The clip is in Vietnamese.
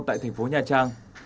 tại thành phố nhà trang